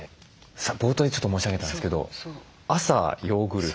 冒頭にちょっと申し上げたんですけど朝ヨーグルト夜納豆。